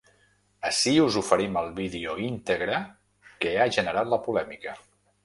Ací us oferim el vídeo íntegre que ha generat la polèmica.